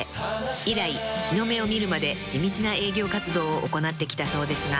［以来日の目を見るまで地道な営業活動を行ってきたそうですが］